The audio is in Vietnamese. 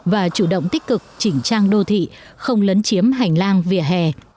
và chủ động tích cực chỉnh trang đô thị không lấn chiếm hành lang vỉa hè